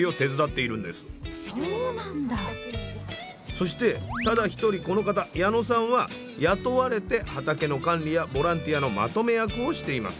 そしてただ一人この方矢野さんは雇われて畑の管理やボランティアのまとめ役をしています。